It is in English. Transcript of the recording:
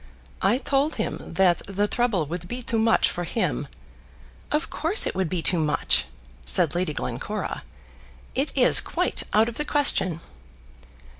"I told him that the trouble would be too much for him." "Of course it would be too much," said Lady Glencora. "It is quite out of the question."